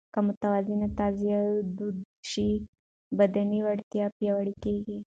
که متوازنه تغذیه دود شي، بدني وړتیا پیاوړې کېږي.